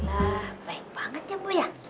alhamdulillah baik banget ya mbu ya